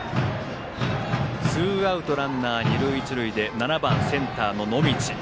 ツーアウトランナー、二塁一塁で７番センター、野道。